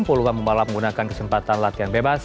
puluhan pembalap menggunakan kesempatan latihan bebas